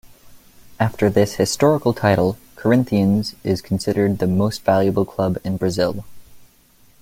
After this historical title, Corinthians is considered the most valuable club in Brazil.